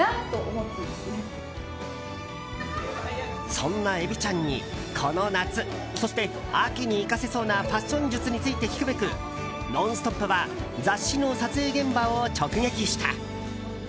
そんなエビちゃんにこの夏、そして秋に生かせそうなファッション術について聞くべく「ノンストップ！」は雑誌の撮影現場を直撃した。